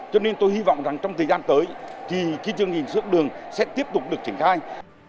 cho nên tôi hy vọng rằng trong thời gian tới thì chương trình sữa học đường sẽ tiếp tục được trình khai